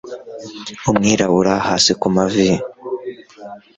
umwirabura hasi kumavi